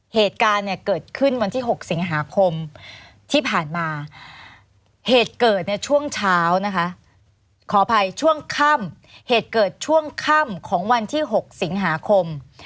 เหตุการณ์เนี่ยเกิดขึ้นวันที่๖สิงหาคมที่ผ่านมาเหตุเกิดในช่วงเช้านะคะขออภัยช่วงค่ำเหตุเกิดช่วงค่ำของวันที่๖สิงหาคม